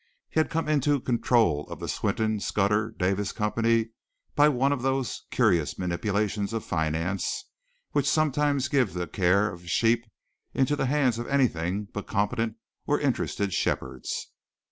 He had come into control of the Swinton Scudder Davis Company by one of those curious manipulations of finance which sometimes give the care of sheep into the hands of anything but competent or interested shepherds.